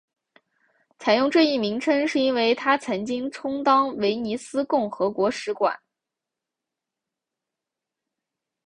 采用这一名称是因为它曾经充当威尼斯共和国使馆。